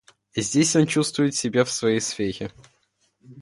Здесь он чувствует себя в своей сфере.